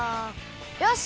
よし！